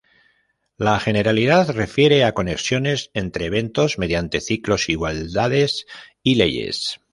La generalidad refiere a conexiones entre eventos mediante ciclos, igualdades y leyes.